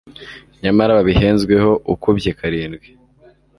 nyamara babihenzweho ukubye karindwi